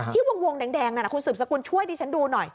ที่วงแดงคุณสูบสกุลช่วยดิฉันดูหน่อย